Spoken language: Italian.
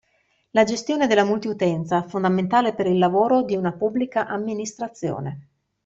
La gestione della multiutenza, fondamentale per il lavoro di una Pubblica Amministrazione.